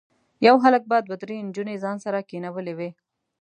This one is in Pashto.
یو هلک به دوه درې نجونې ځان سره کېنولي وي.